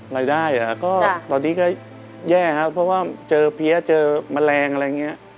รายได้เหรอก็ตอนนี้ก็แย่ครับเพราะว่าเจอเพี้ยเจอแมลงอะไรอย่างนี้